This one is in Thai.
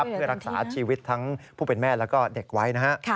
เพื่อรักษาชีวิตทั้งผู้เป็นแม่และเด็กไว้